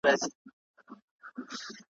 چي قبر ته راځې زما به پر شناخته وي لیکلي `